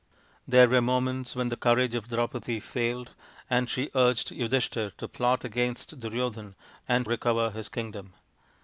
There were moments when the courage of Draupadi failed and she urged Yudhishthir to plot against Duryodhan and recover his kingdom.